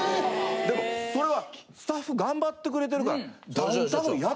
・でもそれはスタッフ頑張ってくれてるから。